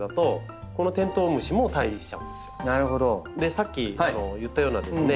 さっき言ったようなですね